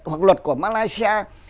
hoặc luật của malaysia